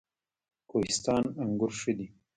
کوهستان انګور ښه دي؟